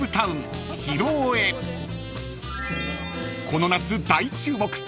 ［この夏大注目］